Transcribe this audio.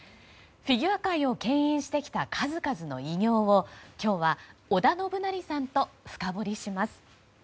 フィギュア界を牽引してきた数々の偉業を今日は織田信成さんと深掘りします。